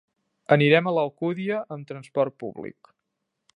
Anirem a l'Alcúdia amb transport públic.